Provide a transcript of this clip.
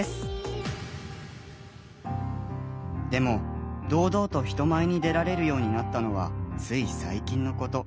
でも堂々と人前に出られるようになったのはつい最近のこと。